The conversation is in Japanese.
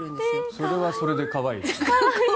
それはそれでかわいいですね。